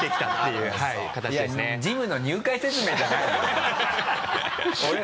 いやジムの入会説明じゃない。